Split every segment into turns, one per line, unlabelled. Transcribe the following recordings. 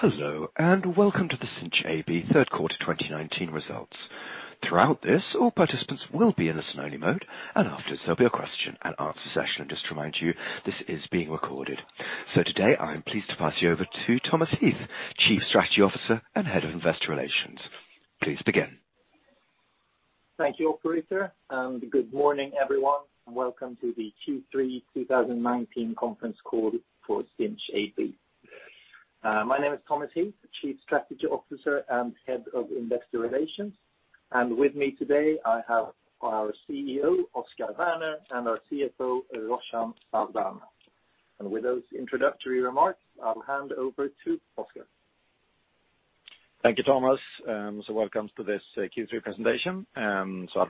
Hello, and welcome to the Sinch AB third quarter 2019 results. Throughout this, all participants will be in listen only mode. After, there'll be a question and answer session. Just to remind you, this is being recorded. Today, I'm pleased to pass you over to Thomas Heath, Chief Strategy Officer and Head of Investor Relations. Please begin.
Thank you, operator, good morning, everyone, welcome to the Q3 2019 conference call for Sinch AB. My name is Thomas Heath, the Chief Strategy Officer and Head of Investor Relations. With me today I have our CEO, Oscar Werner, and our CFO, Roshan Saldanha. With those introductory remarks, I'll hand over to Oscar.
Thank you, Thomas. Welcome to this Q3 presentation. I'll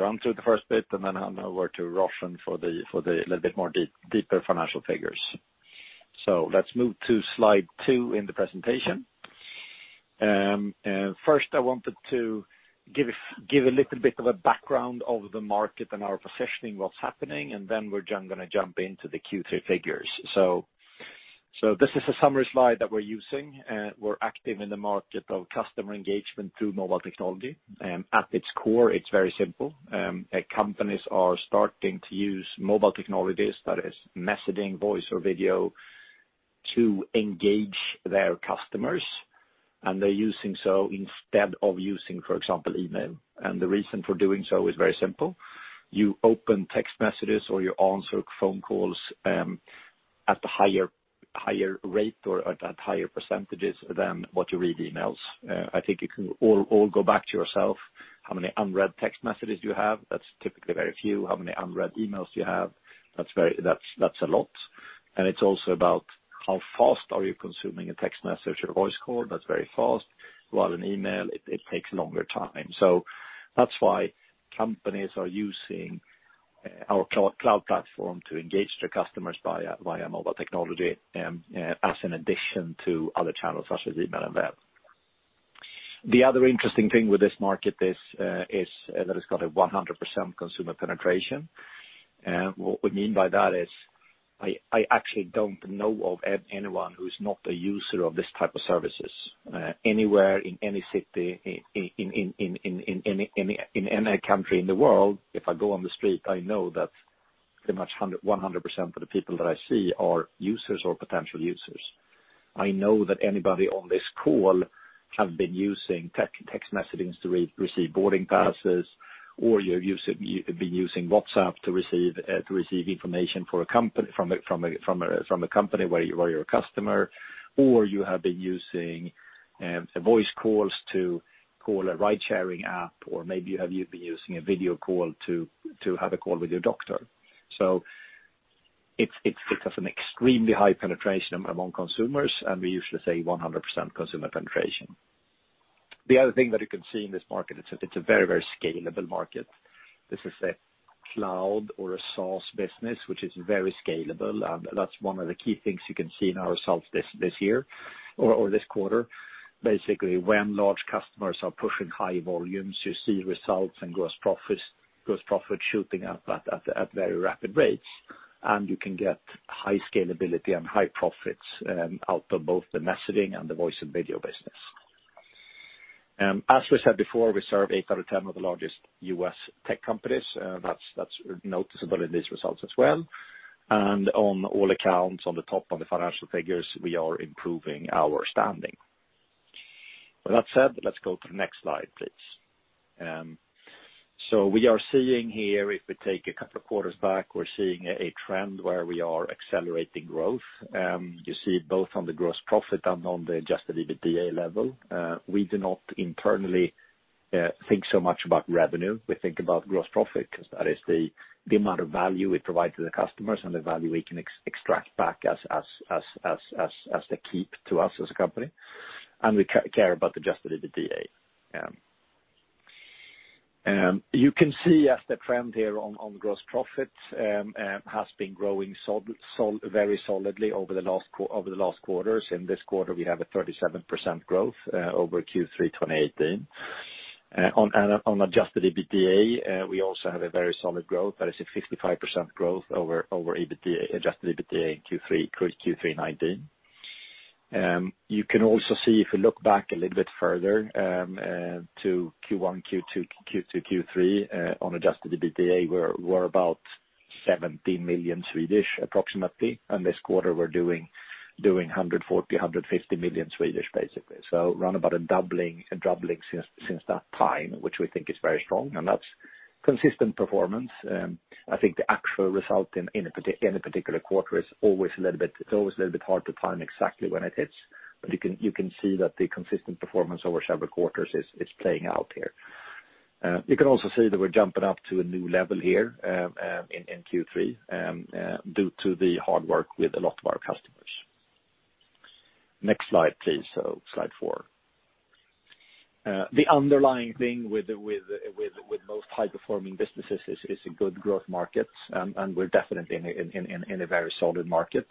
run through the first bit and then hand over to Roshan for the little bit more deeper financial figures. Let's move to slide two in the presentation. First I wanted to give a little bit of a background of the market and our positioning, what's happening, and then we're going to jump into the Q3 figures. This is a summary slide that we're using. We're active in the market of customer engagement through mobile technology. At its core, it's very simple. Companies are starting to use mobile technologies, that is messaging, voice, or video, to engage their customers, and they're using so instead of using, for example, email. The reason for doing so is very simple. You open text messages or you answer phone calls at higher rate or at higher percentages than what you read emails. I think you can all go back to yourself, how many unread text messages you have. That's typically very few. How many unread emails do you have? That's a lot. It's also about how fast are you consuming a text message or voice call, that's very fast. While an email, it takes longer time. That's why companies are using our cloud platform to engage their customers via mobile technology as an addition to other channels such as email and web. The other interesting thing with this market is that it's got a 100% consumer penetration. What we mean by that is, I actually don't know of anyone who's not a user of this type of services. Anywhere, in any city, in any country in the world. If I go on the street, I know that pretty much 100% of the people that I see are users or potential users. I know that anybody on this call have been using text messagings to receive boarding passes, or you've been using WhatsApp to receive information from a company where you're a customer, or you have been using voice calls to call a ride-sharing app, or maybe you have been using a video call to have a call with your doctor. It has an extremely high penetration among consumers, and we usually say 100% consumer penetration. The other thing that you can see in this market is that it's a very scalable market. This is a cloud or a SaaS business, which is very scalable, and that's one of the key things you can see in our results this year or this quarter. Basically, when large customers are pushing high volumes, you see results and gross profit shooting up at very rapid rates, and you can get high scalability and high profits out of both the messaging and the voice and video business. As we said before, we serve eight out of 10 of the largest U.S. tech companies. That's noticeable in these results as well. On all accounts, on the top of the financial figures, we are improving our standing. With that said, let's go to the next slide, please. We are seeing here, if we take a couple of quarters back, we're seeing a trend where we are accelerating growth. You see both on the gross profit and on the adjusted EBITDA level. We do not internally think so much about revenue. We think about gross profit because that is the amount of value we provide to the customers and the value we can extract back as the keep to us as a company. We care about adjusted EBITDA. You can see as the trend here on gross profit has been growing very solidly over the last quarters. In this quarter, we have a 37% growth over Q3 2018. On adjusted EBITDA, we also have a very solid growth, that is a 55% growth over adjusted EBITDA in Q3 2019. You can also see, if you look back a little bit further, to Q1, Q2, Q3, on adjusted EBITDA, we're about 17 million approximately, and this quarter we're doing 140 million, 150 million basically. Round about a doubling since that time, which we think is very strong, and that's consistent performance. I think the actual result in a particular quarter, it's always a little bit hard to time exactly when it hits. You can see that the consistent performance over several quarters is playing out here. You can also see that we're jumping up to a new level here in Q3, due to the hard work with a lot of our customers. Next slide, please. Slide four. The underlying thing with most high-performing businesses is a good growth market, and we're definitely in a very solid market.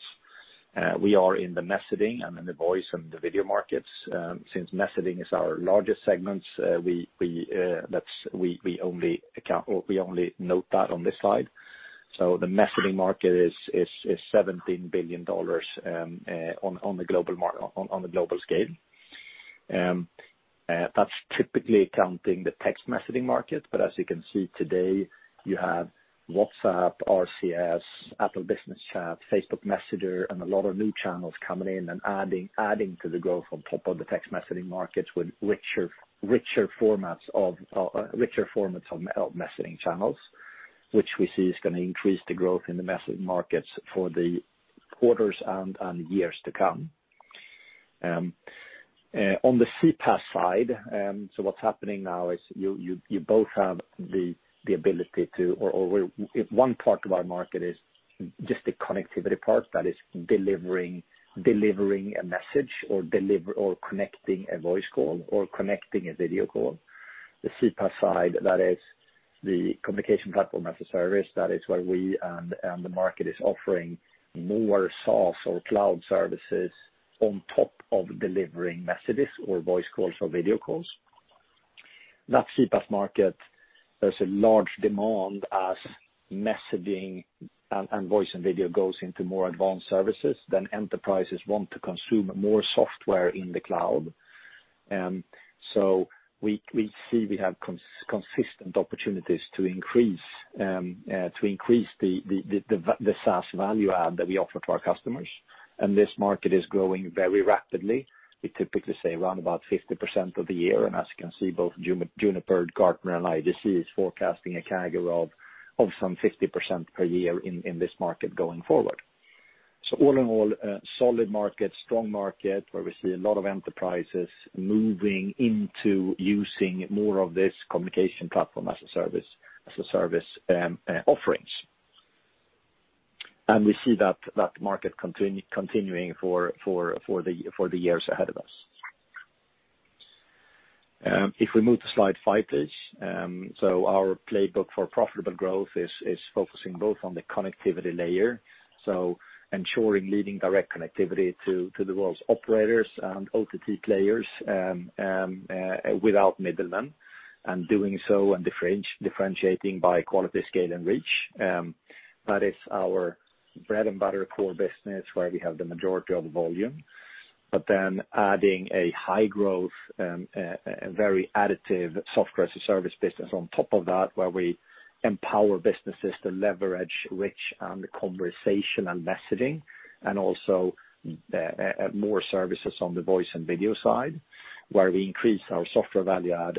We are in the messaging and in the voice and the video markets. Since messaging is our largest segment, we only note that on this slide. The messaging market is SEK 17 billion on the global scale. That's typically counting the text messaging market. As you can see today, you have WhatsApp, RCS, Apple Business Chat, Facebook Messenger, and a lot of new channels coming in and adding to the growth on top of the text messaging markets with richer formats of messaging channels, which we see is going to increase the growth in the messaging markets for the quarters and years to come. On the CPaaS side, what's happening now is you both have the ability to, or one part of our market is just the connectivity part, that is delivering a message or connecting a voice call or connecting a video call. The CPaaS side, that is the communication platform as a service. That is where we and the market is offering more SaaS or cloud services on top of delivering messages or voice calls or video calls. That CPaaS market, there's a large demand as messaging and voice and video goes into more advanced services, enterprises want to consume more software in the cloud. We see we have consistent opportunities to increase the SaaS value add that we offer to our customers. This market is growing very rapidly. We typically say around about 50% of the year, as you can see, both Juniper, Gartner, and IDC is forecasting a CAGR of some 50% per year in this market going forward. All in all, solid market, strong market, where we see a lot of enterprises moving into using more of this Communications Platform as a Service offerings. We see that market continuing for the years ahead of us. If we move to slide five, please. Our playbook for profitable growth is focusing both on the connectivity layer, ensuring leading direct connectivity to the world's operators and OTT players without middlemen, and doing so and differentiating by quality, scale, and reach. That is our bread and butter core business, where we have the majority of the volume. Adding a high growth, very additive Software as a Service business on top of that, where we empower businesses to leverage rich and conversational messaging, and also more services on the voice and video side, where we increase our software value add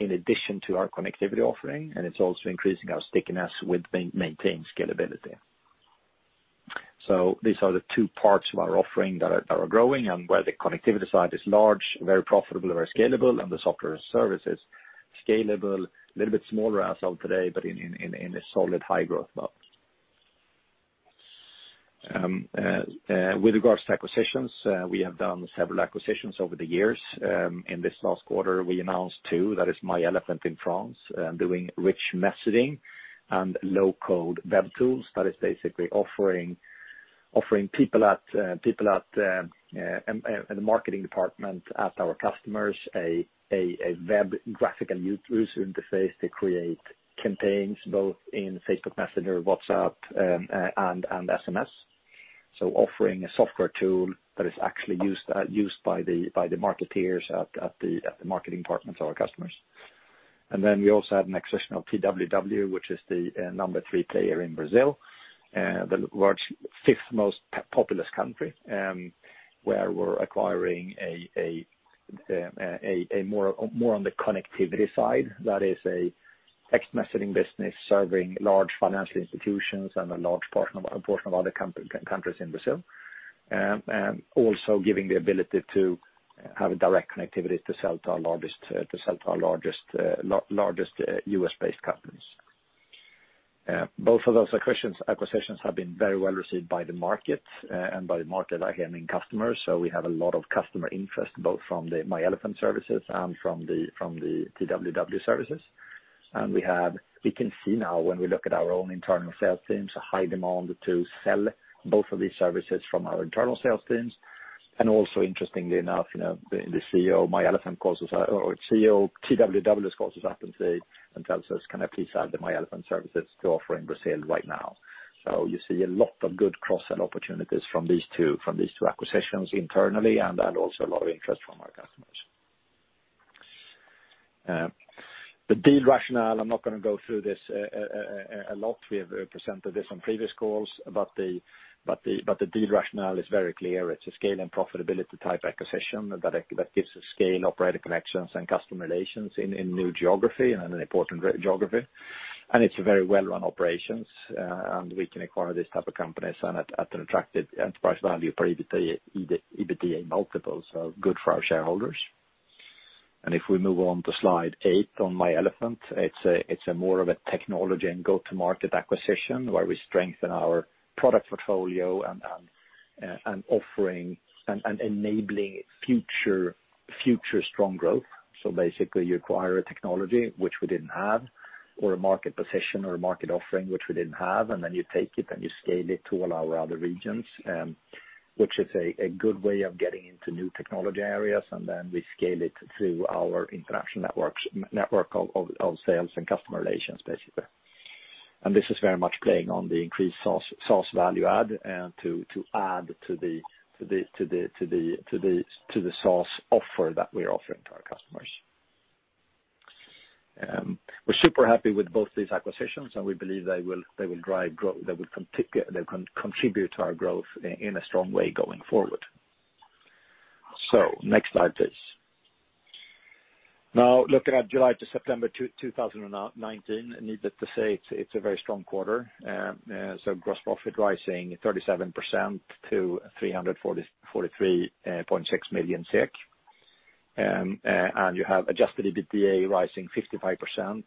in addition to our connectivity offering, and it's also increasing our stickiness with maintained scalability. These are the two parts of our offering that are growing, and where the connectivity side is large, very profitable, very scalable, and the software as a service is scalable, a little bit smaller as of today, but in a solid high growth box. With regards to acquisitions, we have done several acquisitions over the years. In this last quarter, we announced two. That is myElefant in France, doing rich messaging and low-code web tools. That is basically offering people at the marketing department at our customers a web graphical user interface to create campaigns both in Facebook Messenger, WhatsApp, and SMS. Offering a software tool that is actually used by the marketeers at the marketing departments of our customers. We also had an acquisition of TWW, which is the number 3 player in Brazil, the 5th most populous country, where we're acquiring more on the connectivity side. That is a text messaging business serving large financial institutions and a large portion of other countries in Brazil. Giving the ability to have direct connectivity to sell to our largest U.S.-based companies. Both of those acquisitions have been very well received by the market, and by the market I mean customers. We have a lot of customer interest, both from the myElefant services and from the TWW services. We can see now when we look at our own internal sales teams, a high demand to sell both of these services from our internal sales teams. Also interestingly enough, the CEO of TWW calls us up and tells us, "Can I please add the myElefant services to offer in Brazil right now?" You see a lot of good cross-sell opportunities from these two acquisitions internally and also a lot of interest from our customers. The deal rationale, I'm not going to go through this a lot. We have presented this on previous calls. The deal rationale is very clear. It's a scale and profitability type acquisition that gives us scale and operating connections and customer relations in new geography and an important geography. It's a very well-run operation, and we can acquire these type of companies and at an attractive enterprise value per EBITDA multiple, so good for our shareholders. If we move on to slide eight on myElefant, it's more of a technology and go-to-market acquisition where we strengthen our product portfolio and enabling future strong growth. Basically, you acquire a technology which we didn't have, or a market position or a market offering which we didn't have, and then you take it and you scale it to all our other regions. Which is a good way of getting into new technology areas, then we scale it through our international network of sales and customer relations, basically. This is very much playing on the increased SaaS value add, to add to the SaaS offer that we are offering to our customers. We're super happy with both these acquisitions, and we believe they will contribute to our growth in a strong way going forward. Next slide, please. Now, looking at July to September 2019, needless to say, it's a very strong quarter. Gross profit rising 37% to 343.6 million SEK. You have adjusted EBITDA rising 55%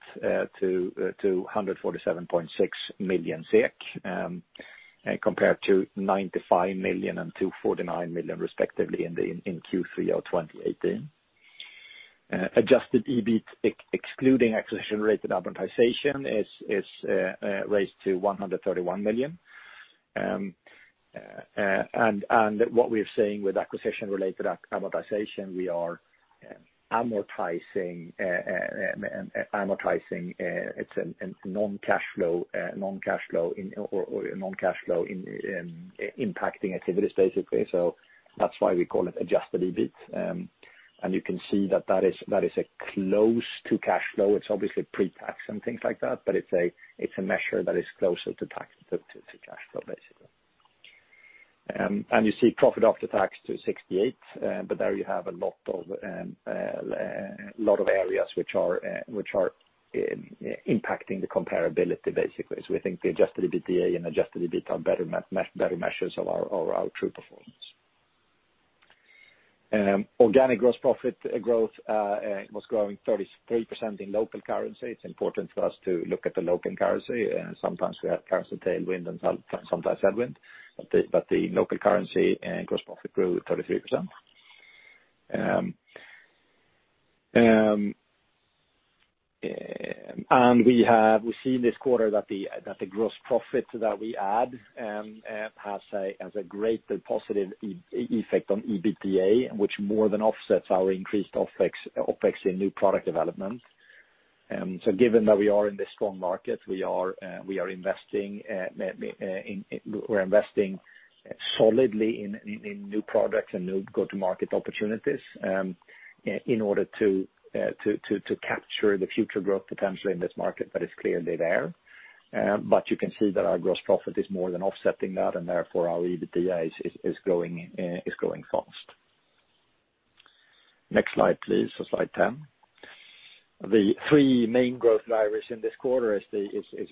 to 147.6 million SEK, compared to 95 million and 249 million, respectively, in Q3 of 2018. Adjusted EBIT excluding acquisition related amortization is raised to 131 million. What we are seeing with acquisition related amortization, we are amortizing, it's a non-cash flow impacting activities, basically. That's why we call it adjusted EBIT. You can see that is close to cash flow. It's obviously pre-tax and things like that, it's a measure that is closer to cash flow, basically. You see profit after tax to 68, there you have a lot of areas which are impacting the comparability, basically. We think the adjusted EBITDA and adjusted EBIT are better measures of our true performance. Organic gross profit growth was growing 33% in local currency. It's important for us to look at the local currency. Sometimes we have currency tailwind, and sometimes headwind. The local currency and gross profit grew 33%. We see this quarter that the gross profit that we add has a greater positive effect on EBITDA, which more than offsets our increased OPEX in new product development. Given that we are in this strong market, we are investing solidly in new products and new go-to-market opportunities, in order to capture the future growth potential in this market that is clearly there. You can see that our gross profit is more than offsetting that, and therefore our EBITDA is growing fast. Next slide, please. Slide 10. The three main growth drivers in this quarter is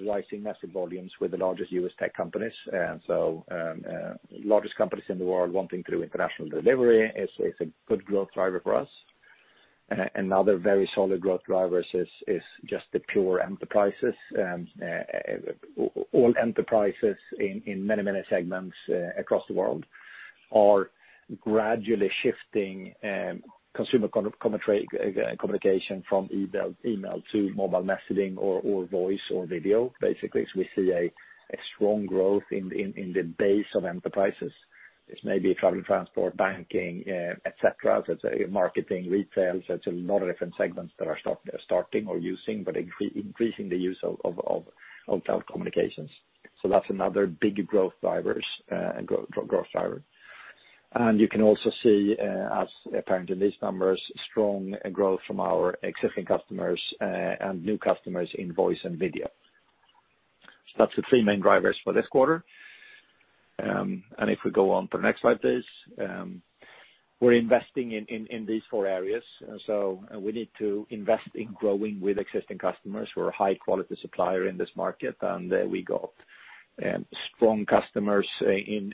rising message volumes with the largest U.S. tech companies. Largest companies in the world wanting to do international delivery is a good growth driver for us. Another very solid growth driver is just the pure enterprises. All enterprises in many segments across the world are gradually shifting consumer communication from email to mobile messaging or voice or video, basically. We see a strong growth in the base of enterprises. This may be travel, transport, banking, et cetera. It's marketing, retail, it's a lot of different segments that are starting or using, but increasing the use of cloud communications. That's another big growth driver. You can also see as apparent in these numbers, strong growth from our existing customers and new customers in voice and video. That's the three main drivers for this quarter. If we go on to the next slide, please. We're investing in these four areas. We need to invest in growing with existing customers. We're a high quality supplier in this market, and we got strong customers in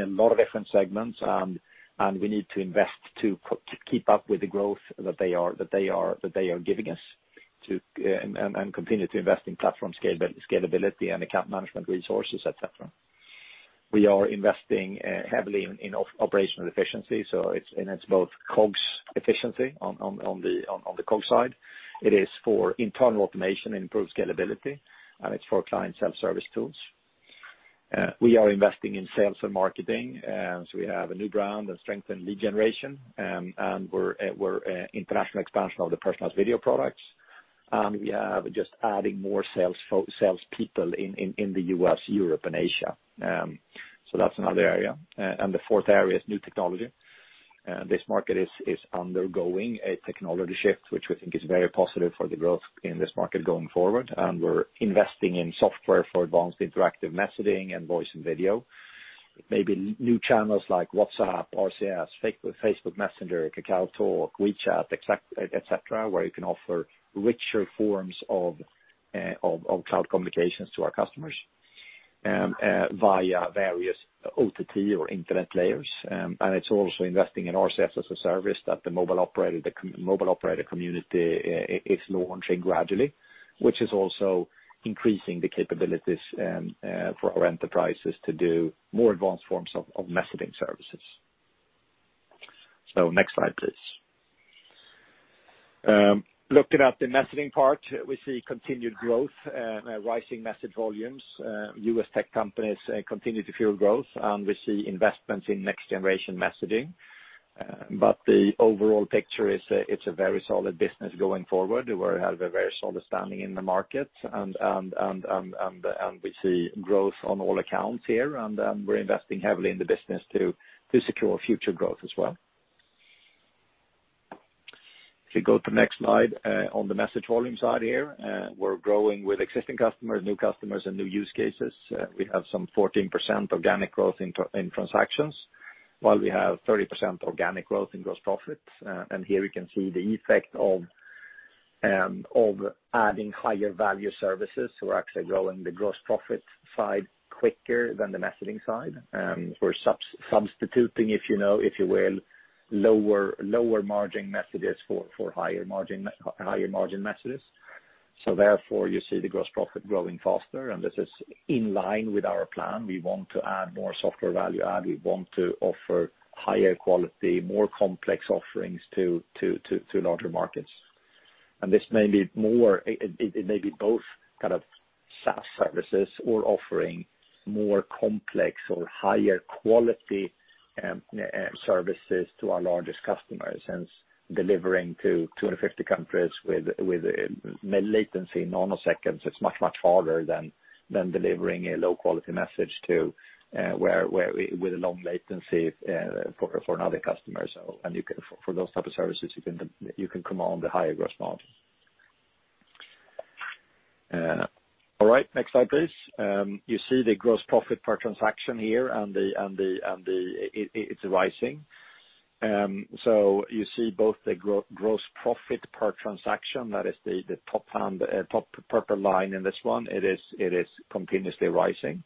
a lot of different segments. We need to invest to keep up with the growth that they are giving us to, and continue to invest in platform scalability and account management resources, et cetera. We are investing heavily in operational efficiency, and it's both COGS efficiency on the COGS side. It is for internal automation and improved scalability, and it's for client self-service tools. We are investing in sales and marketing. We have a new brand and strengthened lead generation. We're international expansion of the personalized video products. We are just adding more salespeople in the U.S., Europe, and Asia. That's another area. The fourth area is new technology. This market is undergoing a technology shift, which we think is very positive for the growth in this market going forward. We're investing in software for advanced interactive messaging and voice and video. Maybe new channels like WhatsApp, RCS, Facebook Messenger, KakaoTalk, WeChat, et cetera, where you can offer richer forms of cloud communications to our customers via various OTT or internet layers. It's also investing in RCS as a service that the mobile operator community is launching gradually, which is also increasing the capabilities for our enterprises to do more advanced forms of messaging services. Next slide, please. Looking at the messaging part, we see continued growth, rising message volumes. U.S. tech companies continue to fuel growth, and we see investments in next-generation messaging. The overall picture is, it's a very solid business going forward. We have a very solid standing in the market. We see growth on all accounts here. We're investing heavily in the business to secure future growth as well. If you go to the next slide, on the message volume side here, we're growing with existing customers, new customers, and new use cases. We have some 14% organic growth in transactions, while we have 30% organic growth in gross profits. Here we can see the effect of adding higher value services. We're actually growing the gross profit side quicker than the messaging side. We're substituting, if you will, lower margin messages for higher margin messages. Therefore, you see the gross profit growing faster. This is in line with our plan. We want to add more software value add. We want to offer higher quality, more complex offerings to larger markets. This may be both kind of SaaS services or offering more complex or higher quality services to our largest customers. Sinch delivering to 250 countries with millisecond latency, it's much, much harder than delivering a low-quality message with a long latency for another customer. For those type of services, you can command a higher gross margin. All right, next slide, please. You see the gross profit per transaction here, it's rising. You see both the gross profit per transaction, that is the top purple line in this one. It is continuously rising.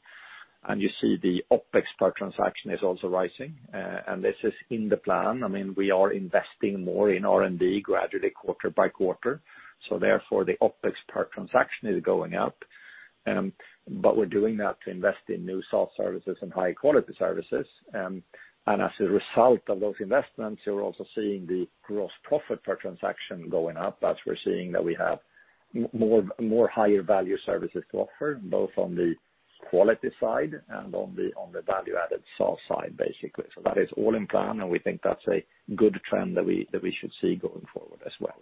You see the OPEX per transaction is also rising. This is in the plan. We are investing more in R&D gradually quarter by quarter. Therefore, the OPEX per transaction is going up. We're doing that to invest in new soft services and high-quality services. As a result of those investments, you're also seeing the gross profit per transaction going up as we're seeing that we have more higher value services to offer, both on the quality side and on the value-added soft side, basically. That is all in plan, and we think that's a good trend that we should see going forward as well.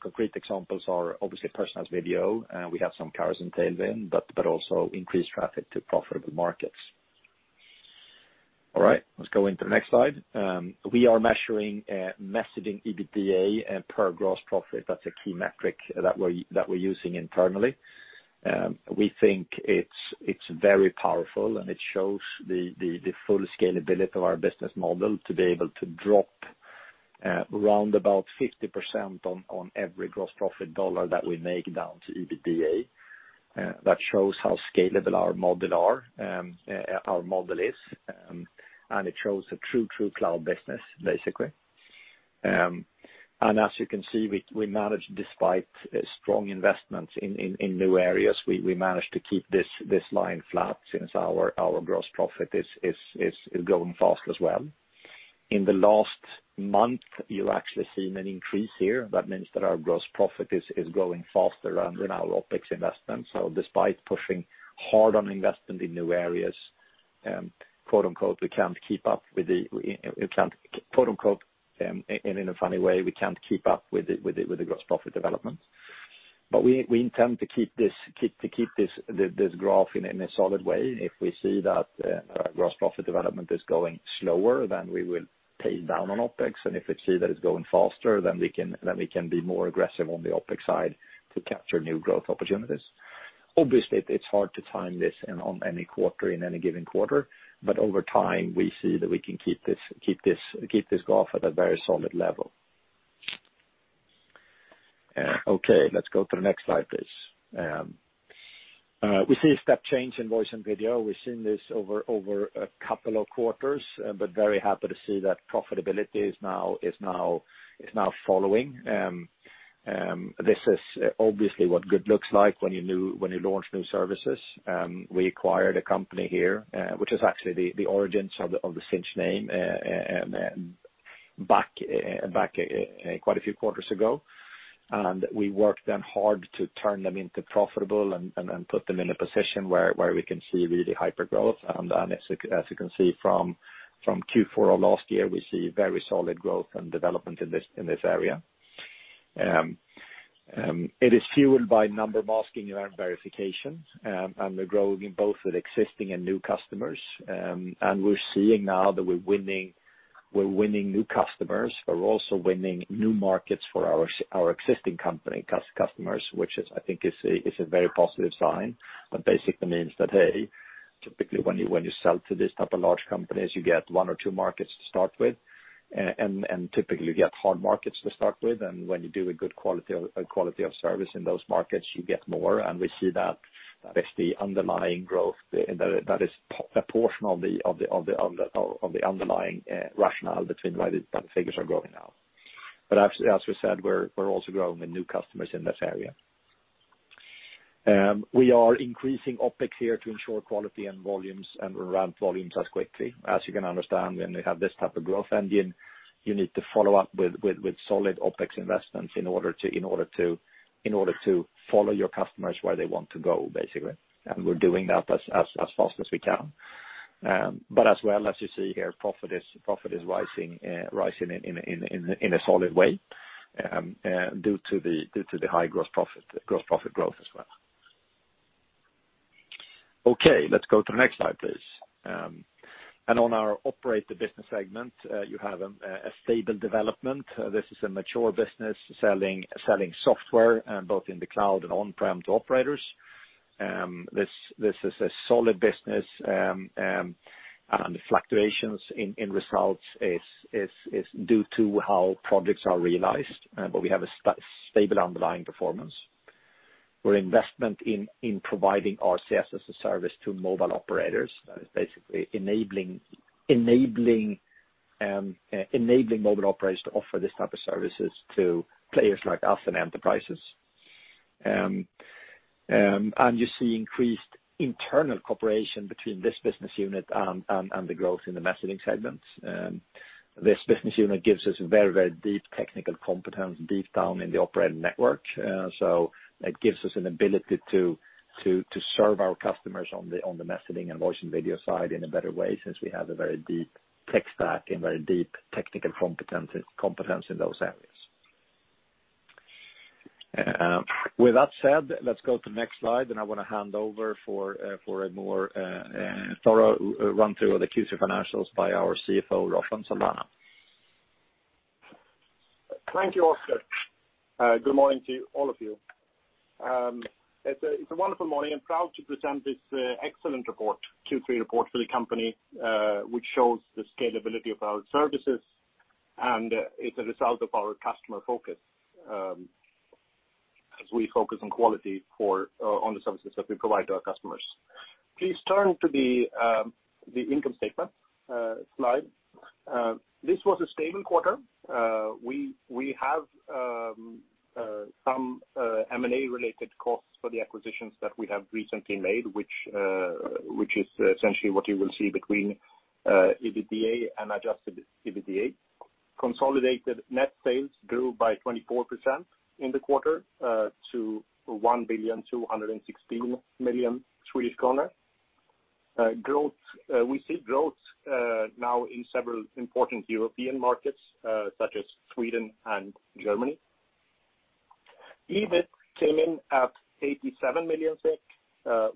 Concrete examples are obviously personalized video. We have some carriers in tailwind, but also increased traffic to profitable markets. All right, let's go into the next slide. We are measuring messaging EBITDA per gross profit. That's a key metric that we're using internally. We think it's very powerful, and it shows the full scalability of our business model to be able to drop around about 50% on every gross profit dollar that we make down to EBITDA. That shows how scalable our model is, and it shows a true Cloud business, basically. As you can see, despite strong investments in new areas, we managed to keep this line flat since our gross profit is growing faster as well. In the last month, you've actually seen an increase here. That means that our gross profit is growing faster than our OPEX investment. Despite pushing hard on investment in new areas, quote unquote, and in a funny way, we can't keep up with the gross profit development. We intend to keep this graph in a solid way. If we see that gross profit development is going slower, then we will pay down on OPEX, and if we see that it's going faster, then we can be more aggressive on the OPEX side to capture new growth opportunities. Obviously, it's hard to time this in any quarter, in any given quarter. Over time, we see that we can keep this graph at a very solid level. Okay, let's go to the next slide, please. We see a step change in voice and video. We've seen this over a couple of quarters, but very happy to see that profitability is now following. This is obviously what good looks like when you launch new services. We acquired a company here, which is actually the origins of the Sinch name, back quite a few quarters ago. We worked them hard to turn them into profitable and put them in a position where we can see really hyper-growth. As you can see from Q4 of last year, we see very solid growth and development in this area. It is fueled by number masking and verification, we're growing in both with existing and new customers. We're seeing now that we're winning new customers, but we're also winning new markets for our existing company customers, which I think is a very positive sign. Basically means that, hey, typically when you sell to these type of large companies, you get one or two markets to start with. Typically, you get hard markets to start with. When you do a good quality of service in those markets, you get more. We see that that is the underlying growth, that is a portion of the underlying rationale between why the figures are growing now. As we said, we're also growing with new customers in that area. We are increasing OpEx here to ensure quality and volumes, and ramp volumes as quickly. As you can understand, when you have this type of growth engine, you need to follow up with solid OPEX investments in order to follow your customers where they want to go, basically. We're doing that as fast as we can. As well, as you see here, profit is rising in a solid way due to the high gross profit growth as well. Okay. Let's go to the next slide, please. On our Operator business segment, you have a stable development. This is a mature business selling software, both in the cloud and on-prem to operators. This is a solid business, and the fluctuations in results is due to how projects are realized. We have a stable underlying performance. We're investment in providing RCS as a service to mobile operators, that is basically enabling mobile operators to offer this type of services to players like us and enterprises. You see increased internal cooperation between this business unit and the growth in the messaging segment. This business unit gives us a very deep technical competence, deep down in the operating network. It gives us an ability to serve our customers on the messaging and voice and video side in a better way, since we have a very deep tech stack and very deep technical competence in those areas. With that said, let's go to the next slide, and I want to hand over for a more thorough run through of the Q3 financials by our CFO, Roshan Saldanha.
Thank you, Oscar. Good morning to all of you. It's a wonderful morning. I'm proud to present this excellent report, Q3 report for the company, which shows the scalability of our services, and is a result of our customer focus, as we focus on quality on the services that we provide to our customers. Please turn to the income statement slide. This was a stable quarter. We have some M&A related costs for the acquisitions that we have recently made, which is essentially what you will see between EBITDA and adjusted EBITDA. Consolidated net sales grew by 24% in the quarter, to 1,216,000,000 Swedish kronor. We see growth now in several important European markets, such as Sweden and Germany. EBIT came in at 87 million SEK,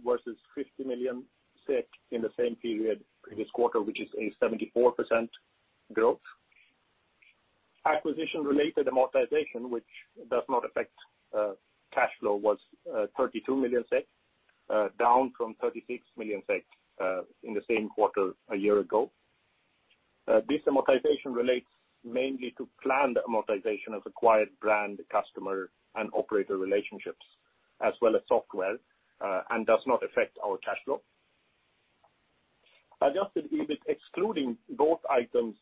versus 50 million SEK in the same period previous quarter, which is a 74% growth. Acquisition-related amortization, which does not affect cash flow, was 32 million SEK, down from 36 million SEK in the same quarter a year ago. This amortization relates mainly to planned amortization of acquired brand customer and operator relationships, as well as software, and does not affect our cash flow. Adjusted EBIT excluding both items,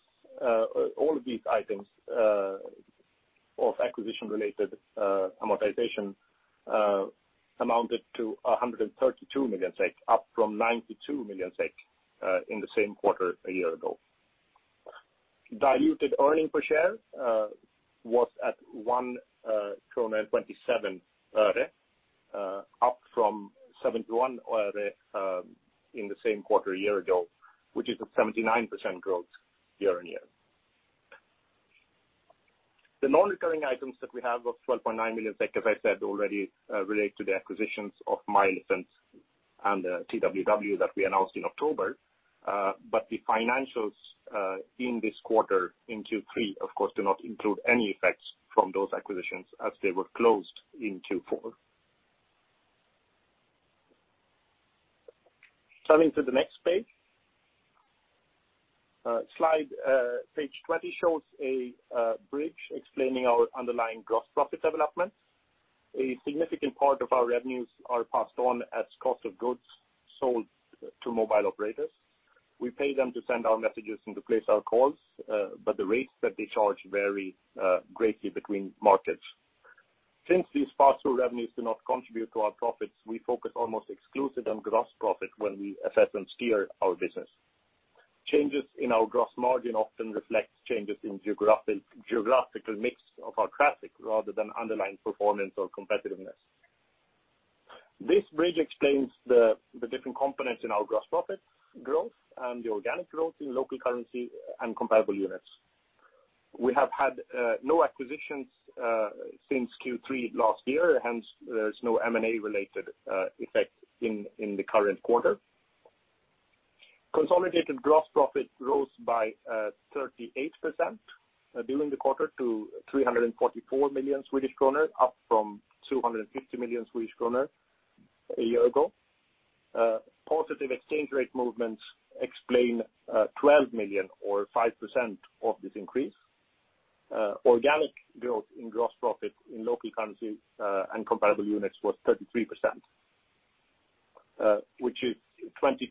all of these items of acquisition related amortization, amounted to 132 million SEK, up from 92 million SEK in the same quarter a year ago. Diluted earnings per share was at 0.0127 krona, up from SEK 0.71 in the same quarter a year ago, which is a 79% growth year-over-year. The non-recurring items that we have of 12.9 million, as I said already, relate to the acquisitions of myElefant and TWW that we announced in October. The financials in this quarter in Q3, of course, do not include any effects from those acquisitions as they were closed in Q4. Turning to the next page. Slide, page 20 shows a bridge explaining our underlying gross profit development. A significant part of our revenues are passed on as cost of goods sold to mobile operators. We pay them to send our messages and to place our calls, but the rates that they charge vary greatly between markets. Since these pass-through revenues do not contribute to our profits, we focus almost exclusively on gross profit when we assess and steer our business. Changes in our gross margin often reflect changes in geographical mix of our traffic, rather than underlying performance or competitiveness. This bridge explains the different components in our gross profit growth and the organic growth in local currency and comparable units. We have had no acquisitions since Q3 last year, hence, there is no M&A related effect in the current quarter. Consolidated gross profit rose by 38% during the quarter to 344 million Swedish kronor, up from 250 million Swedish kronor a year ago. Positive exchange rate movements explain 12 million or 5% of this increase. Organic growth in gross profit in local currency and comparable units was 33%, which is 22%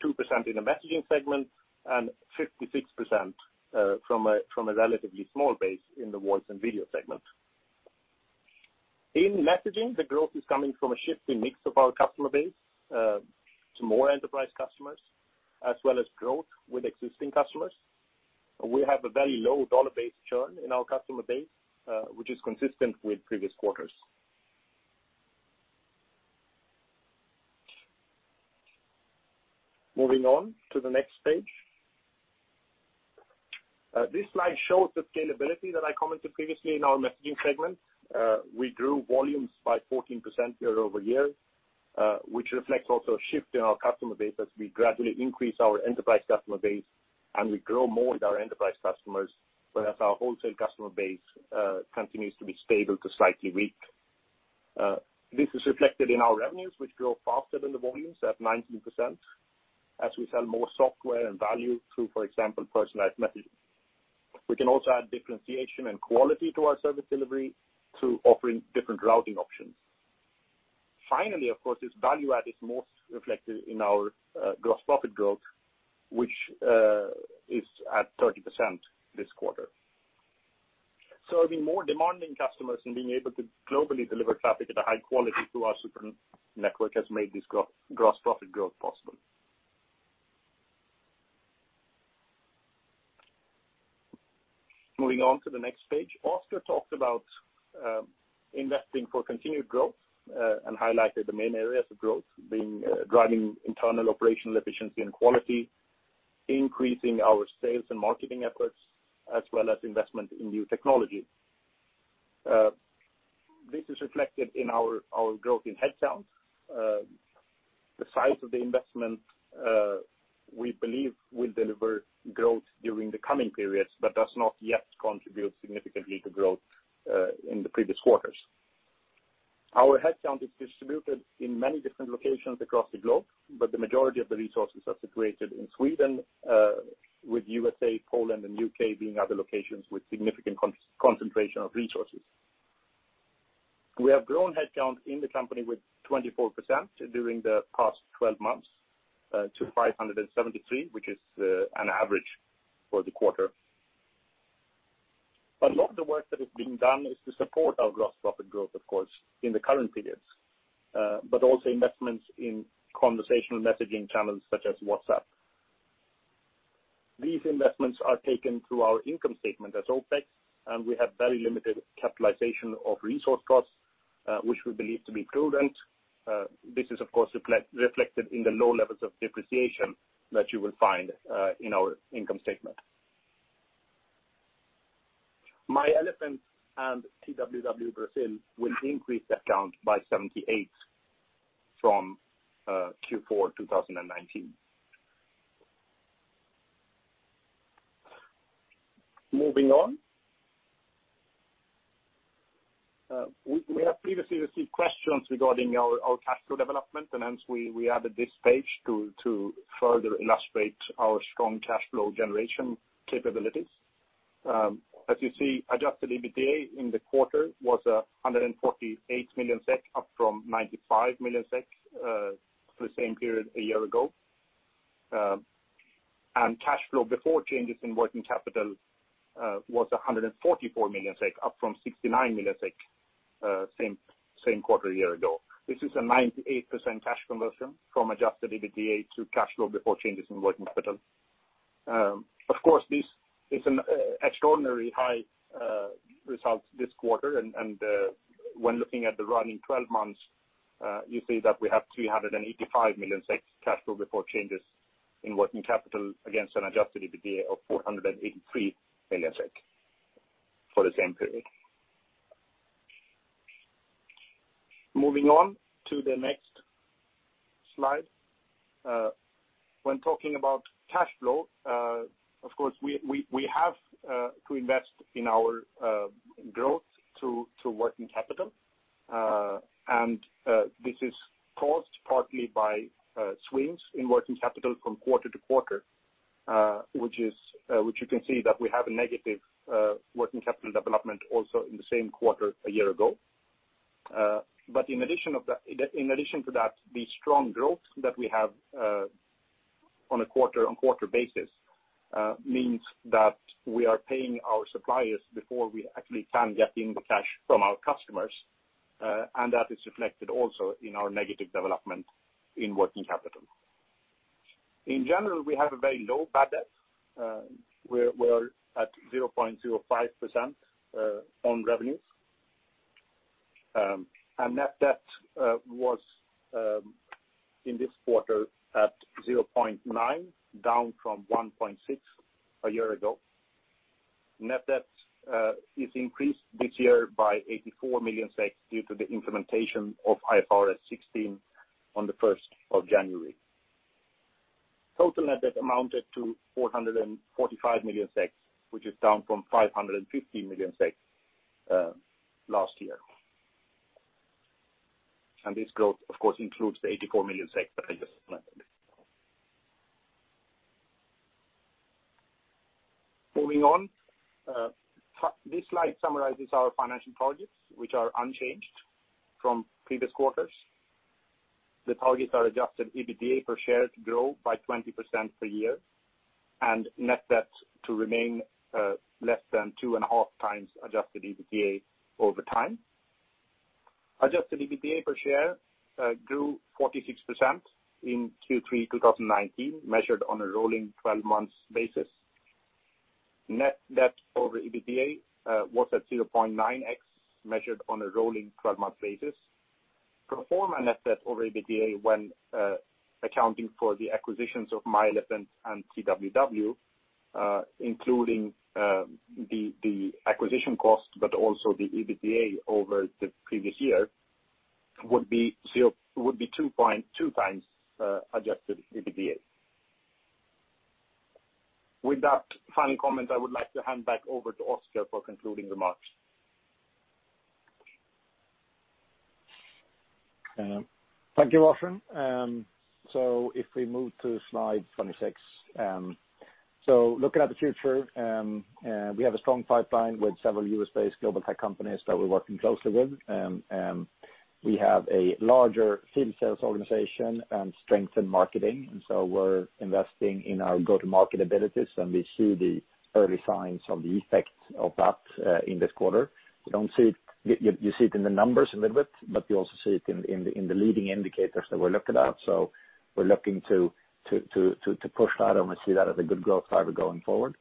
in the messaging segment and 56% from a relatively small base in the voice and video segment. In messaging, the growth is coming from a shifting mix of our customer base to more enterprise customers, as well as growth with existing customers. We have a very low dollar-based churn in our customer base, which is consistent with previous quarters. Moving on to the next page. This slide shows the scalability that I commented previously in our messaging segment. We grew volumes by 14% year-over-year, which reflects also a shift in our customer base as we gradually increase our enterprise customer base, and we grow more with our enterprise customers, whereas our wholesale customer base continues to be stable to slightly weak. This is reflected in our revenues, which grow faster than the volumes at 19%, as we sell more software and value through, for example, personalized messaging. We can also add differentiation and quality to our service delivery through offering different routing options. Finally, of course, this value add is most reflected in our gross profit growth, which is at 30% this quarter. Serving more demanding customers and being able to globally deliver traffic at a high quality through our Supernet network has made this gross profit growth possible. Moving on to the next page. Oscar talked about investing for continued growth, and highlighted the main areas of growth being driving internal operational efficiency and quality, increasing our sales and marketing efforts, as well as investment in new technology. This is reflected in our growth in headcount. The size of the investment, we believe will deliver growth during the coming periods, but does not yet contribute significantly to growth in the previous quarters. Our headcount is distributed in many different locations across the globe, but the majority of the resources are situated in Sweden, with U.S.A., Poland, and U.K. being other locations with significant concentration of resources. We have grown headcount in the company with 24% during the past 12 months to 573, which is an average for the quarter. A lot of the work that is being done is to support our gross profit growth, of course, in the current periods, but also investments in conversational messaging channels such as WhatsApp. These investments are taken through our income statement as OPEX, and we have very limited capitalization of resource costs, which we believe to be prudent. This is, of course, reflected in the low levels of depreciation that you will find in our income statement. myElefant and TWW Brazil will increase headcount by 78 from Q4 2019. Moving on. Hence we added this page to further illustrate our strong cash flow generation capabilities. As you see, adjusted EBITDA in the quarter was 148 million SEK, up from 95 million SEK for the same period a year ago. Cash flow before changes in working capital was 144 million SEK, up from 69 million SEK, same quarter a year ago. This is a 98% cash conversion from adjusted EBITDA to cash flow before changes in working capital. Of course, this is an extraordinary high result this quarter, and when looking at the running 12 months, you see that we have 385 million SEK cash flow before changes in working capital against an adjusted EBITDA of 483 million SEK for the same period. Moving on to the next slide. When talking about cash flow, of course, we have to invest in our growth to working capital. This is caused partly by swings in working capital from quarter to quarter, which you can see that we have a negative working capital development also in the same quarter a year ago. In addition to that, the strong growth that we have on a quarter-on-quarter basis means that we are paying our suppliers before we actually can get in the cash from our customers, and that is reflected also in our negative development in working capital. In general, we have a very low bad debt. We're at 0.05% on revenues. Net debt was, in this quarter, at 0.9, down from 1.6 a year ago. Net debt is increased this year by 84 million SEK due to the implementation of IFRS 16 on the 1st of January. Total net debt amounted to 445 million SEK, which is down from 550 million SEK last year. This growth, of course, includes the 84 million SEK that I just mentioned. Moving on. This slide summarizes our financial targets, which are unchanged from previous quarters. The targets are adjusted EBITDA per share to grow by 20% per year and net debt to remain less than two and a half times adjusted EBITDA over time. Adjusted EBITDA per share grew 46% in Q3, 2019, measured on a rolling 12-months basis. Net debt over EBITDA was at 0.9x, measured on a rolling 12-month basis. Pro forma net debt over EBITDA when accounting for the acquisitions of myElefant and TWW, including the acquisition cost, but also the EBITDA over the previous year, would be two times adjusted EBITDA. With that final comment, I would like to hand back over to Oscar for concluding remarks.
Thank you, Roshan. If we move to slide 26. Looking at the future, we have a strong pipeline with several U.S.-based global tech companies that we're working closely with. We have a larger field sales organization and strengthened marketing, and so we're investing in our go-to-market abilities, and we see the early signs of the effects of that in this quarter. You see it in the numbers a little bit, but you also see it in the leading indicators that we're looking at. We're looking to push that, and we see that as a good growth driver going forward.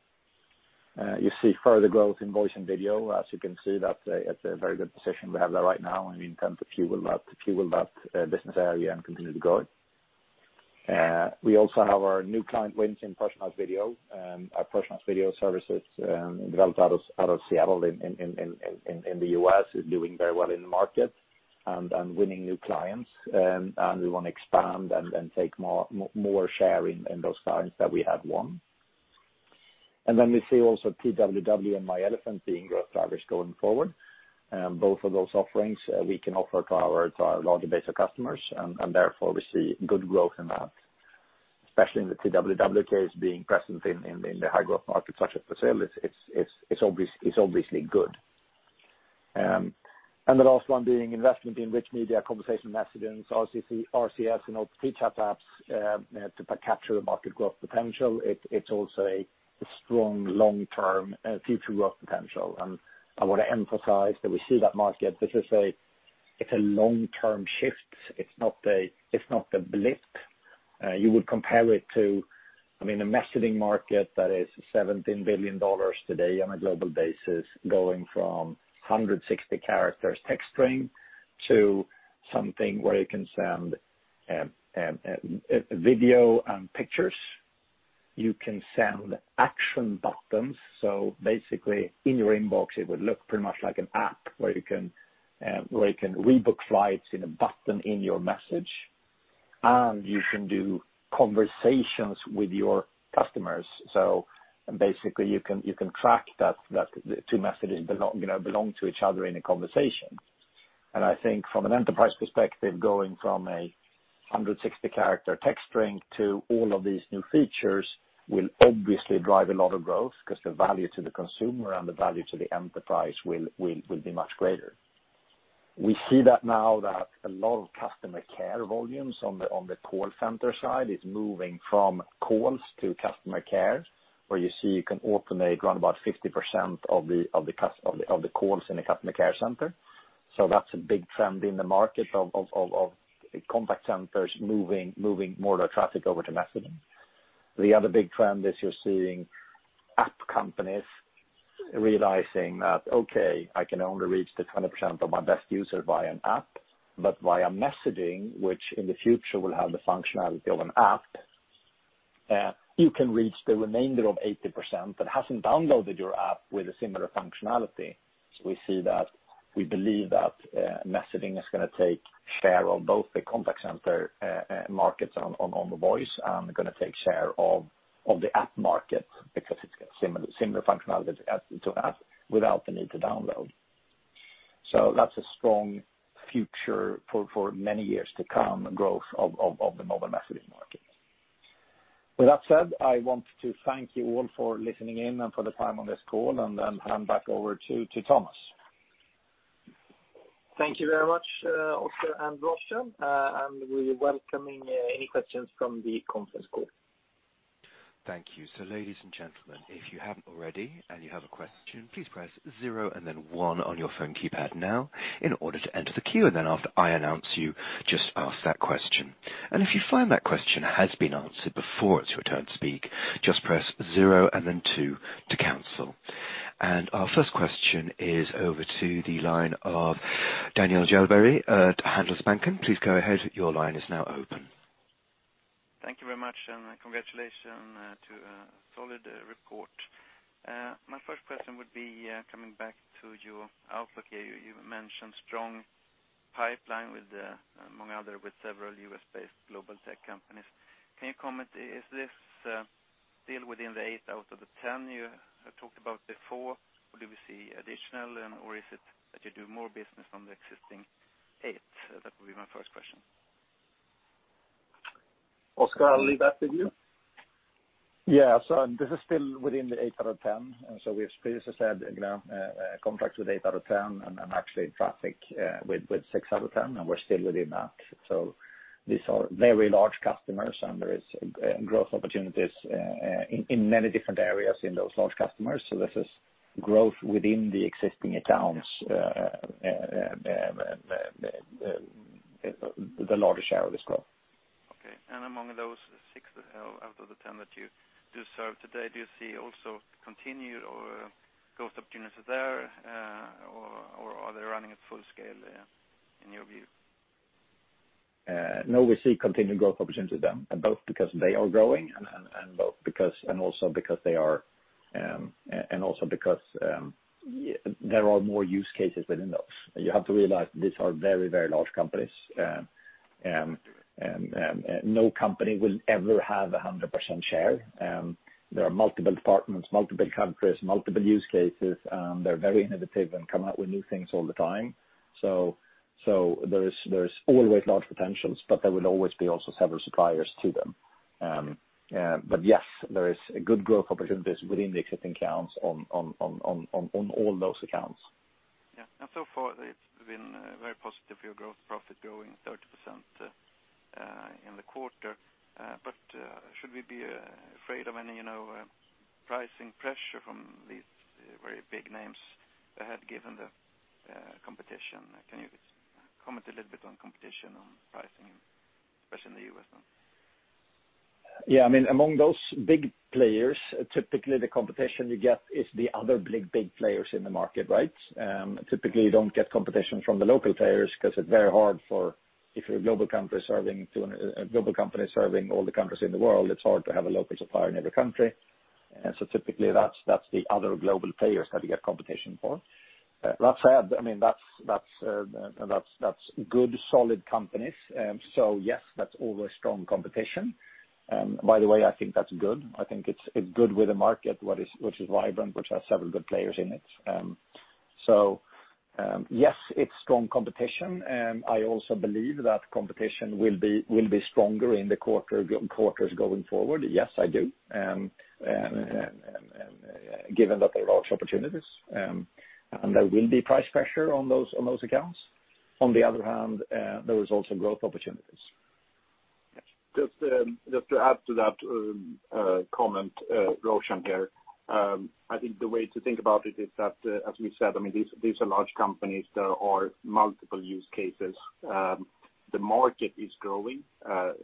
You see further growth in voice and video. As you can see, that's a very good position we have there right now, and we intend to fuel that business area and continue to grow it. We also have our new client wins in personalized video. Our personalized video services developed out of Seattle in the U.S., is doing very well in the market and winning new clients. We want to expand and take more share in those clients that we have won. We see also TWW and myElefant being growth drivers going forward. Both of those offerings we can offer to our larger base of customers, and therefore, we see good growth in that, especially in the TWW case, being present in the high-growth markets such as Brazil, it's obviously good. The last one being investment in rich media, conversational messaging, so RCS and OTT chat apps to capture the market growth potential. It's also a strong long-term future growth potential. I want to emphasize that we see that market. It's a long-term shift. It's not a blip. You would compare it to the messaging market that is SEK 17 billion today on a global basis, going from 160 characters text string to something where you can send video and pictures. You can send action buttons. Basically, in your inbox, it would look pretty much like an app where you can rebook flights in a button in your message, and you can do conversations with your customers. Basically, you can track that two messages belong to each other in a conversation. I think from an enterprise perspective, going from a 160 characters text string to all of these new features will obviously drive a lot of growth because the value to the consumer and the value to the enterprise will be much greater. We see that now that a lot of customer care volumes on the call center side is moving from calls to customer care, where you see you can automate around about 50% of the calls in a customer care center. That's a big trend in the market of contact centers moving more of their traffic over to messaging. The other big trend is you're seeing app companies realizing that, okay, I can only reach the 20% of my best user via an app, but via messaging, which in the future will have the functionality of an app, you can reach the remainder of 80% that hasn't downloaded your app with a similar functionality. We believe that messaging is going to take share of both the contact center markets on the voice and going to take share of the app market because it's got similar functionality to an app without the need to download. That's a strong future for many years to come, growth of the mobile messaging market. With that said, I want to thank you all for listening in and for the time on this call, and hand back over to Thomas.
Thank you very much, Oscar and Roshan. We're welcoming any questions from the conference call.
Thank you. Ladies and gentlemen, if you haven't already and you have a question, please press 0 and then 1 on your phone keypad now in order to enter the queue. After I announce you, just ask that question. If you find that question has been answered before it's your turn to speak, just press 0 and then 2 to cancel. Our first question is over to the line of Daniel Djurberg at Handelsbanken. Please go ahead. Your line is now open.
Thank you very much. Congratulations to a solid report. My first question would be coming back to your outlook. You mentioned strong pipeline with, among other, with several U.S.-based global tech companies. Can you comment, is this deal within the eight out of the 10 you have talked about before, or do we see additional, or is it that you do more business on the existing eight? That would be my first question. Oscar, I'll leave that to you.
Yeah. This is still within the eight out of 10. We have, as I said, a contract with eight out of 10, and actually traffic with six out of 10, and we're still within that. These are very large customers, and there is growth opportunities in many different areas in those large customers. This is growth within the existing accounts, the largest share of this growth.
Okay. Among those six out of the 10 that you do serve today, do you see also continued or growth opportunities there, or are they running at full scale, in your view?
We see continued growth opportunities with them, both because they are growing and also because there are more use cases within those. You have to realize these are very large companies. No company will ever have 100% share. There are multiple departments, multiple countries, multiple use cases, and they're very innovative and come out with new things all the time. There's always large potentials, but there will always be also several suppliers to them. Yes, there is good growth opportunities within the existing accounts on all those accounts.
Yeah. So far it's been very positive for your gross profit growing 30% in the quarter. Should we be afraid of any pricing pressure from these very big names ahead, given the competition? Can you comment a little bit on competition, on pricing, especially in the U.S. now?
Yeah. Among those big players, typically the competition you get is the other big players in the market, right? Typically, you don't get competition from the local players because it's very hard for, if you're a global company serving all the countries in the world, it's hard to have a local supplier in every country. Typically that's the other global players that you get competition for. That said, that's good solid companies. Yes, that's always strong competition. By the way, I think that's good. I think it's good with the market which is vibrant, which has several good players in it. Yes, it's strong competition. I also believe that competition will be stronger in the quarters going forward. Yes, I do, given that there are large opportunities. There will be price pressure on those accounts. On the other hand, there is also growth opportunities.
Yes. Just to add to that comment, Roshan here. I think the way to think about it is that, as we said, these are large companies. There are multiple use cases. The market is growing.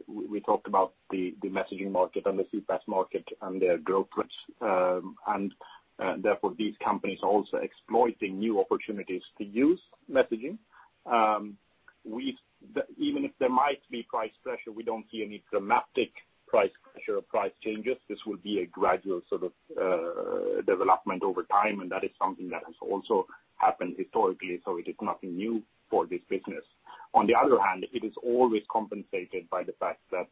We talked about the messaging market and the CPaaS market and their growth rates. Therefore these companies are also exploiting new opportunities to use messaging. Even if there might be price pressure, we don't see any dramatic price pressure or price changes. This will be a gradual sort of development over time, and that is something that has also happened historically, so it is nothing new for this business. On the other hand, it is always compensated by the fact that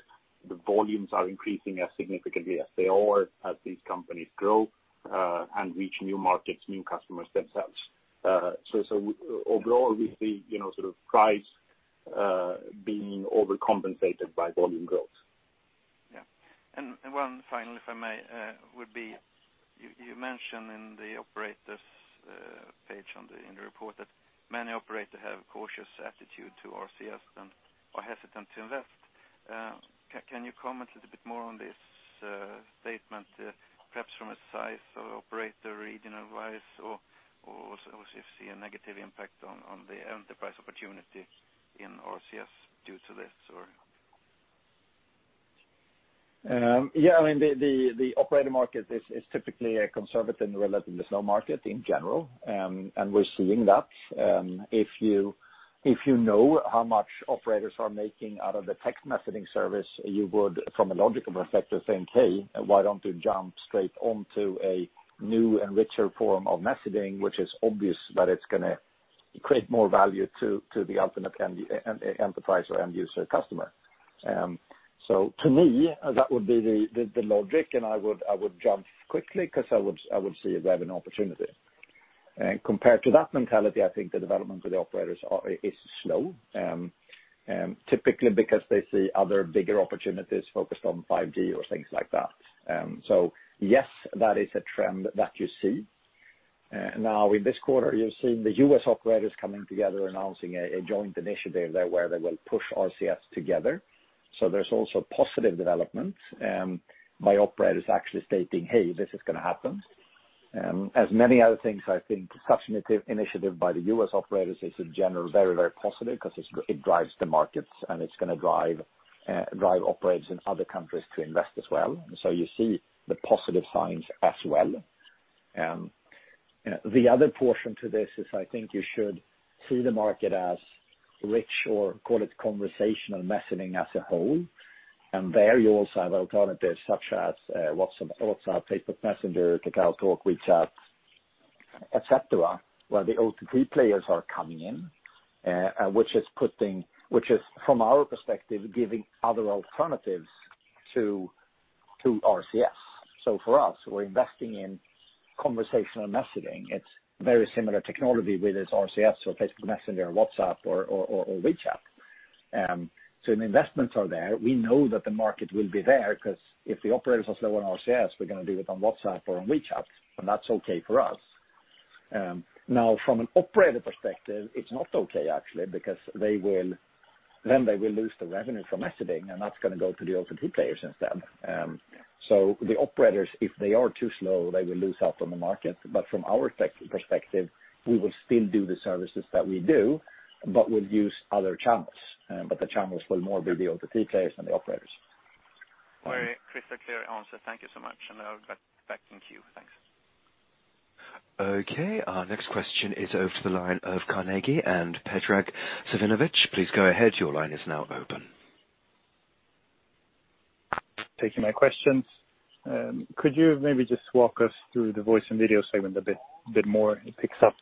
the volumes are increasing as significantly as they are, as these companies grow, and reach new markets, new customers themselves. Overall, we see price being overcompensated by volume growth.
Yeah. One final, if I may, would be, you mentioned in the operator's page in the report that many operators have a cautious attitude to RCS and are hesitant to invest. Can you comment a little bit more on this statement, perhaps from a size operator regional wise, or if you see a negative impact on the enterprise opportunity in RCS due to this?
Yeah. The operator market is typically a conservative, relatively slow market in general, and we're seeing that. If you know how much operators are making out of the text messaging service, you would, from a logical perspective, think, "Hey, why don't you jump straight onto a new and richer form of messaging." Which is obvious that it's going to create more value to the ultimate enterprise or end user customer. To me, that would be the logic, and I would jump quickly because I would see a revenue opportunity. Compared to that mentality, I think the development for the operators is slow. Typically because they see other bigger opportunities focused on 5G or things like that. Yes, that is a trend that you see. Now in this quarter, you're seeing the U.S. operators coming together announcing a joint initiative there where they will push RCS together. There's also positive developments by operators actually stating, "Hey, this is going to happen." As many other things, I think such initiative by the U.S. operators is in general very positive because it drives the markets, and it's going to drive operators in other countries to invest as well. You see the positive signs as well. The other portion to this is, I think you should see the market as rich or call it conversational messaging as a whole. There you also have alternatives such as WhatsApp, Facebook Messenger, KakaoTalk, WeChat, et cetera, where the OTT players are coming in, which is, from our perspective, giving other alternatives to RCS. For us, we're investing in conversational messaging. It's very similar technology, whether it's RCS or Facebook Messenger or WhatsApp or WeChat. The investments are there. We know that the market will be there, because if the operators are slow on RCS, we're going to do it on WhatsApp or on WeChat, and that's okay for us. From an operator perspective, it's not okay, actually, because then they will lose the revenue from messaging, and that's going to go to the OTT players instead. The operators, if they are too slow, they will lose out on the market. From our perspective, we will still do the services that we do, but we'll use other channels. The channels will more be the OTT players than the operators.
Very crystal clear answer. Thank you so much. Back in queue. Thanks.
Okay, our next question is over to the line of Carnegie and Predrag Savinovic. Please go ahead. Your line is now open.
Thank you. My questions. Could you maybe just walk us through the voice and video segment a bit more? It picks up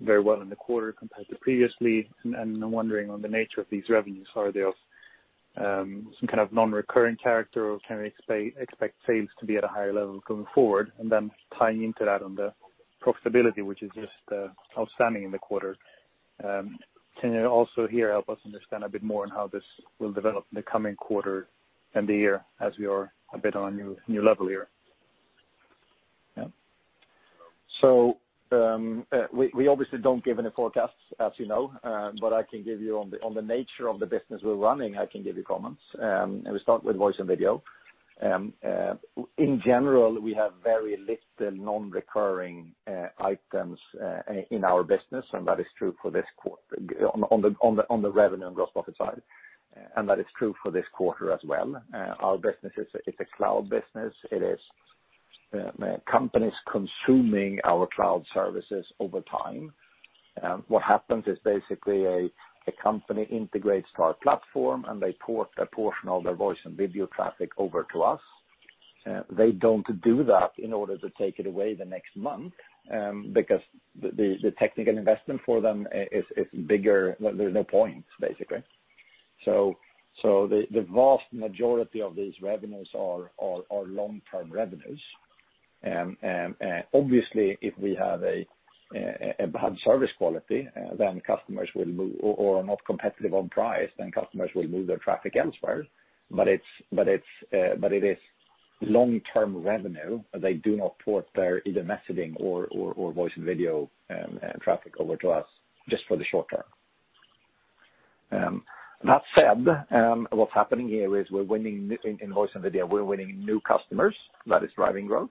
very well in the quarter compared to previously. I'm wondering on the nature of these revenues. Are they of some kind of non-recurring character, or can we expect sales to be at a higher level going forward? Tying into that on the profitability, which is just outstanding in the quarter. Can you also here help us understand a bit more on how this will develop in the coming quarter and the year as we are a bit on a new level here?
We obviously don't give any forecasts, as you know. I can give you on the nature of the business we're running, I can give you comments. We start with voice and video. In general, we have very little non-recurring items in our business, and that is true for this quarter on the revenue and gross profit side. That is true for this quarter as well. Our business it's a cloud business. It is companies consuming our cloud services over time. What happens is basically a company integrates to our platform, and they port a portion of their voice and video traffic over to us. They don't do that in order to take it away the next month, because the technical investment for them is bigger. There's no point, basically. The vast majority of these revenues are long-term revenues. Obviously, if we have a bad service quality, then customers will move, or are not competitive on price, then customers will move their traffic elsewhere. It is long-term revenue. They do not port their either messaging or voice and video traffic over to us just for the short term. That said, what's happening here is we're winning in voice and video. We're winning new customers that is driving growth.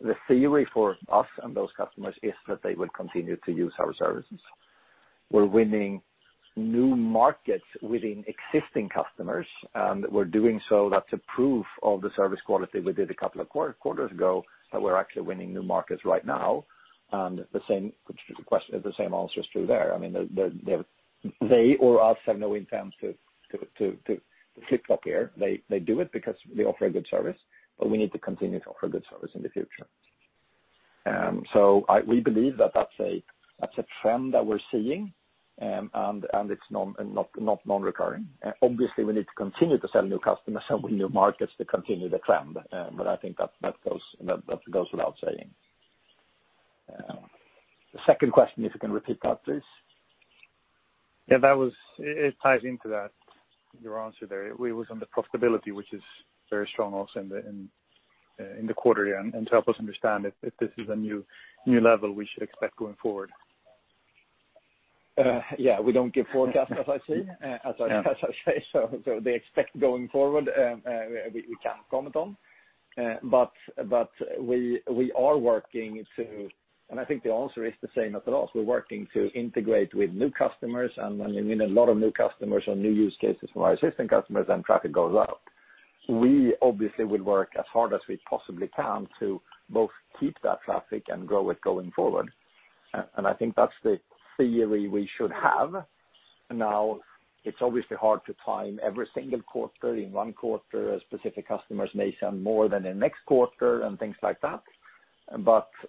The theory for us and those customers is that they will continue to use our services. We're winning new markets within existing customers, and we're doing so. That's a proof of the service quality we did a couple of quarters ago, that we're actually winning new markets right now. The same answer is true there. They or us have no intent to flip-flop here. They do it because we offer a good service, but we need to continue to offer good service in the future. We believe that's a trend that we're seeing, and it's not non-recurring. Obviously, we need to continue to sell new customers and win new markets to continue the trend. I think that goes without saying. The second question, if you can repeat that, please.
Yeah, it ties into that, your answer there. It was on the profitability, which is very strong also in the quarter. To help us understand if this is a new level we should expect going forward.
We don't give forecasts, as I say. The expect going forward, we can't comment on. We are working to, and I think the answer is the same as the last. We're working to integrate with new customers, and we win a lot of new customers on new use cases from our existing customers, and traffic goes up. We obviously will work as hard as we possibly can to both keep that traffic and grow it going forward. I think that's the theory we should have. Now, it's obviously hard to time every single quarter. In one quarter, specific customers may send more than the next quarter and things like that.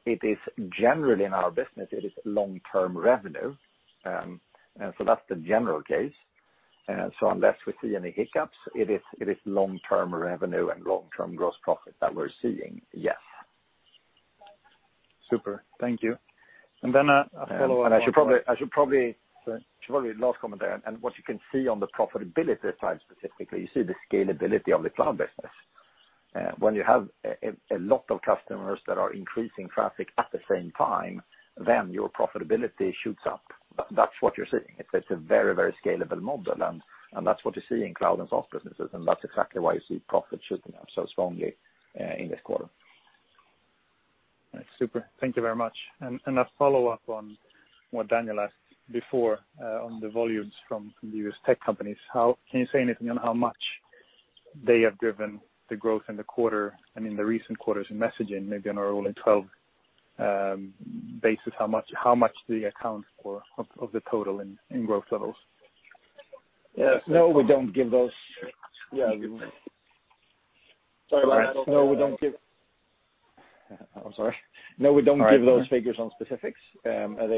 It is generally in our business, it is long-term revenue. That's the general case. Unless we see any hiccups, it is long-term revenue and long-term gross profit that we're seeing. Yes.
Super. Thank you.
I should probably last comment there, what you can see on the profitability side specifically, you see the scalability of the cloud business. When you have a lot of customers that are increasing traffic at the same time, your profitability shoots up. That's what you're seeing. It's a very, very scalable model, that's what you see in cloud and SaaS businesses, that's exactly why you see profits shooting up so strongly in this quarter.
All right. Super. Thank you very much. A follow-up on what Daniel asked before on the volumes from the U.S. tech companies. Can you say anything on how much they have driven the growth in the quarter? I mean, the recent quarters in messaging, maybe on a rolling 12 basis, how much do they account for of the total in growth levels?
No, we don't give those.
Sorry about that.
I'm sorry. No, we don't give those figures on specifics. It's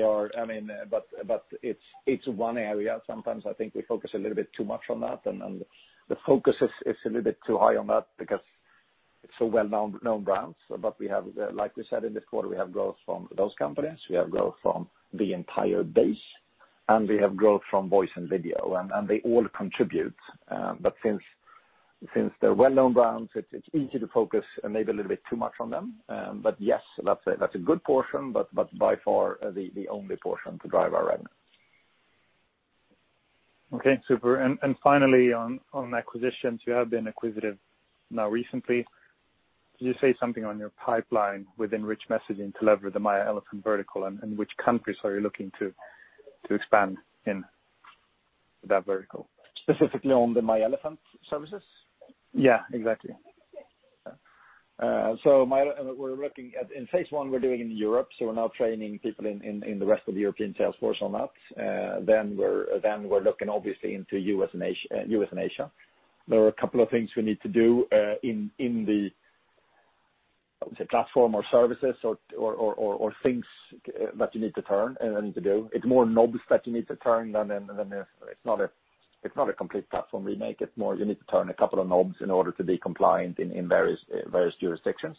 one area. Sometimes I think we focus a little bit too much on that, and the focus is a little bit too high on that because it's a well-known brand. Like we said in this quarter, we have growth from those companies, we have growth from the entire base, and we have growth from voice and video, and they all contribute. Since they're well-known brands, it's easy to focus maybe a little bit too much on them. Yes, that's a good portion, but by far, the only portion to drive our revenue.
Finally, on acquisitions, you have been acquisitive now recently. Could you say something on your pipeline within rich messaging to lever the myElefant vertical, and which countries are you looking to expand in that vertical?
Specifically on the myElefant services?
Yeah, exactly.
In phase 1, we're doing in Europe, so we're now training people in the rest of the European sales force on that. We're looking obviously into U.S. and Asia. There are a couple of things we need to do in the platform or services or things that you need to turn and need to do. It's more knobs that you need to turn. It's not a complete platform remake. You need to turn a couple of knobs in order to be compliant in various jurisdictions.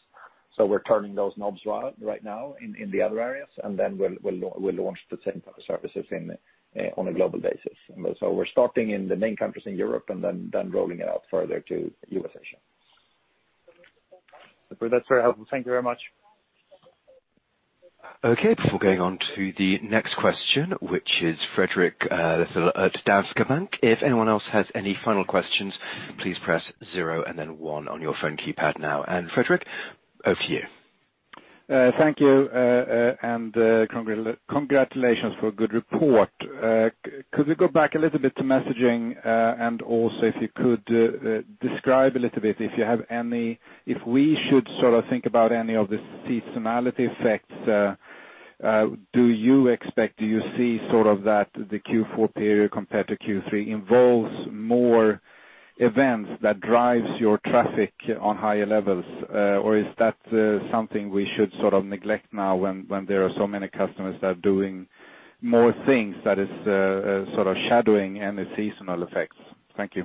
We're turning those knobs right now in the other areas, and then we'll launch the same type of services on a global basis. We're starting in the main countries in Europe and then rolling it out further to U.S., Asia.
Super. That's very helpful. Thank you very much.
Okay. Before going on to the next question, which is Fredrik Lithell at Danske Bank, if anyone else has any final questions, please press zero and then one on your phone keypad now. Fredrik, over to you.
Thank you. Congratulations for a good report. Could we go back a little bit to messaging, and also if you could describe a little bit, if we should sort of think about any of the seasonality effects, do you expect, do you see that the Q4 period compared to Q3 involves more events that drives your traffic on higher levels? Is that something we should sort of neglect now when there are so many customers that are doing more things that is sort of shadowing any seasonal effects? Thank you.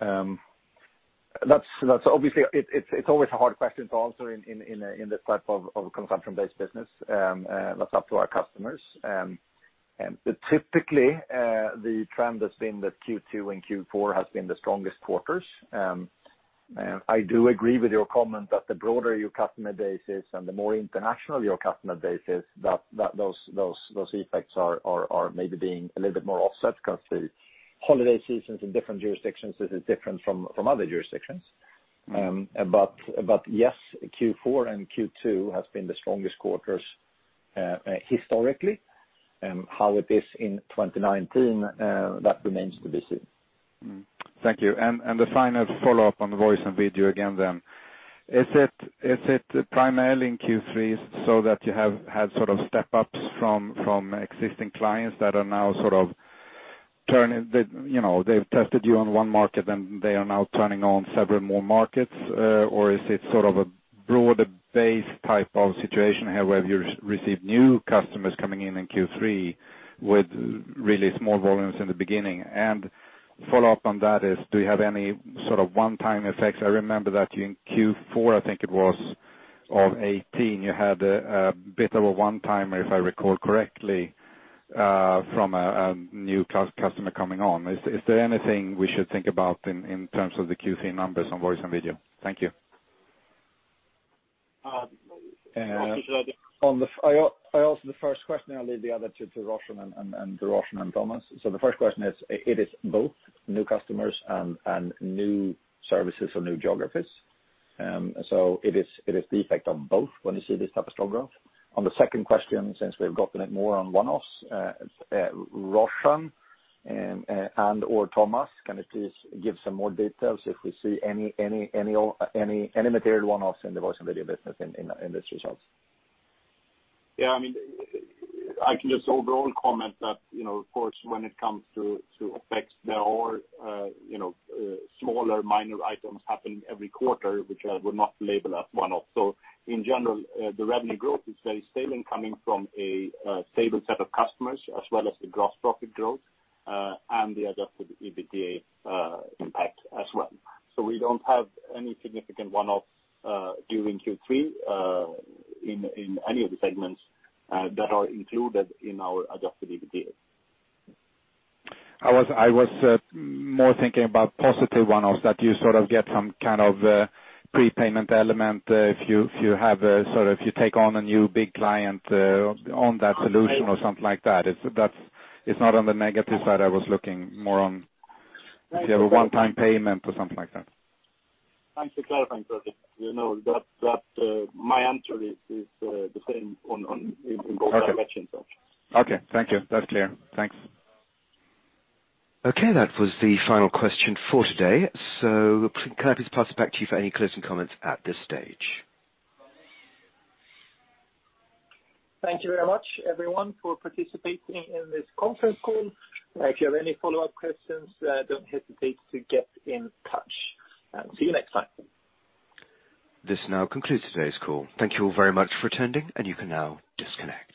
Obviously, it's always a hard question to answer in this type of consumption-based business. That's up to our customers. Typically, the trend has been that Q2 and Q4 has been the strongest quarters. I do agree with your comment that the broader your customer base is and the more international your customer base is, those effects are maybe being a little bit more offset because the holiday seasons in different jurisdictions is different from other jurisdictions. Yes, Q4 and Q2 have been the strongest quarters historically. How it is in 2019, that remains to be seen.
Thank you. The final follow-up on the voice and video again, then? Is it primarily in Q3 so that you have had sort of step-ups from existing clients that are now sort of, they've tested you on one market, and they are now turning on several more markets? Is it sort of a broader base type of situation where you receive new customers coming in in Q3 with really small volumes in the beginning? Follow-up on that is, do you have any sort of one-time effects? I remember that in Q4, I think it was, of 2018, you had a bit of a one-timer, if I recall correctly, from a new customer coming on? Is there anything we should think about in terms of the Q3 numbers on voice and video? Thank you.
I'll answer the first question, then I'll leave the other to Roshan and Thomas. The first question is, it is both new customers and new services or new geographies. It is the effect on both when you see this type of strong growth. On the second question, since we've gotten it more on one-offs, Roshan and/or Thomas, can you please give some more details if we see any material one-offs in the voice and video business in these results?
Yeah. I can just overall comment that, of course, when it comes to effects, there are smaller minor items happening every quarter, which I would not label as one-off. In general, the revenue growth is very stable coming from a stable set of customers, as well as the gross profit growth, and the adjusted EBITDA impact as well. We don't have any significant one-off during Q3 in any of the segments that are included in our adjusted EBITDA.
I was more thinking about positive one-offs, that you sort of get some kind of prepayment element if you take on a new big client on that solution or something like that. It's not on the negative side I was looking, more on if you have a one-time payment or something like that.
Thanks for clarifying, Fredrik. My answer is the same in both directions.
Okay. Thank you. That's clear. Thanks.
Okay, that was the final question for today. Can I please pass it back to you for any closing comments at this stage?
Thank you very much, everyone, for participating in this conference call. If you have any follow-up questions, don't hesitate to get in touch. See you next time.
This now concludes today's call. Thank you all very much for attending, and you can now disconnect.